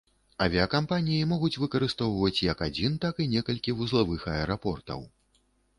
Авіякампаніі могуць выкарыстоўваць як адзін, так і некалькі вузлавых аэрапортаў.